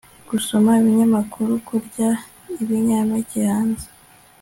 gusoma ibinyamakuru, kurya ibinyampeke hanze